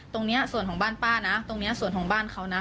ตรงนี้ส่วนของบ้านป้านะตรงนี้ส่วนของบ้านเขานะ